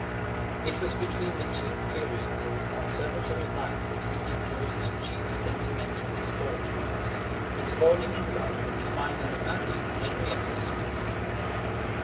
It was between the two periods of his Conservatory life that he endured his chief sentimental misfortune, his falling in love with and finally marrying Henrietta Smithson.